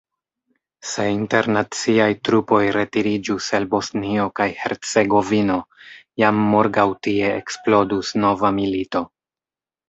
Se internaciaj trupoj retiriĝus el Bosnio kaj Hercegovino, jam morgaŭ tie eksplodus nova milito.